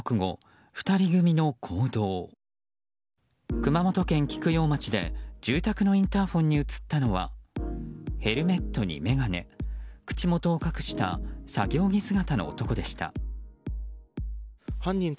熊本県菊陽町で住宅のインターホンに映ったのはヘルメットに眼鏡口元を隠した作業着姿の男でした。